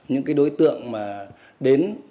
những cái đối tượng mà đến